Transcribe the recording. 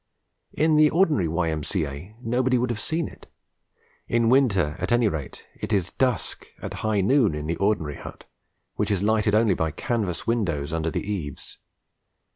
In the ordinary Y.M.C.A. nobody would have seen it! In winter, at any rate, it is dusk at high noon in the ordinary hut, which is lighted only by canvas windows under the eaves.